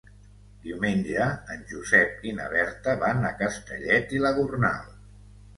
Diumenge en Josep i na Berta van a Castellet i la Gornal.